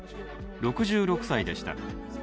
６６歳でした。